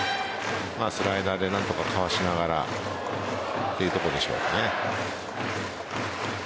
スライダーで何とかかわしながらというところでしょうね。